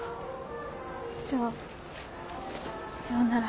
じゃあさよなら。